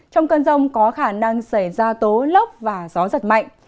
trong cơn rông có khả năng xảy ra tố lốc và gió giật mạnh